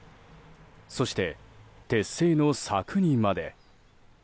そして、鉄製の柵にまで。